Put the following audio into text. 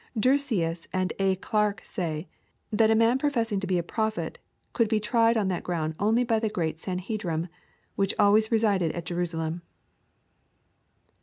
Drusius and A. Clarke say, that a man professing to be a pro phet could be tried on that ground only by the great Sanhedrim, which always resided at Jerusalem.